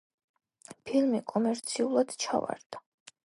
ფილმი კომერციულად ჩავარდა.